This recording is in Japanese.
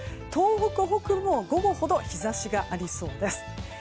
東北北部も午後ほど日差しがありそうです。